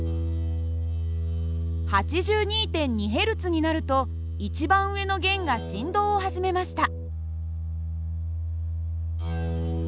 ８２．２Ｈｚになると一番上の弦が振動を始めました。